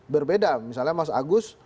berbeda misalnya mas agus